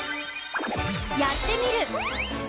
「やってみる。」。